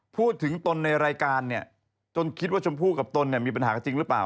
ตนในรายการเนี่ยจนคิดว่าชมพู่กับตนเนี่ยมีปัญหาจริงหรือเปล่า